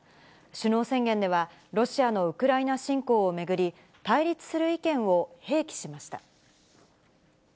首脳宣言では、ロシアのウクライナ侵攻を巡り、対立する意見を併記しました。